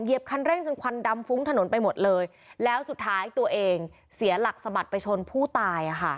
คันเร่งจนควันดำฟุ้งถนนไปหมดเลยแล้วสุดท้ายตัวเองเสียหลักสะบัดไปชนผู้ตายอ่ะค่ะ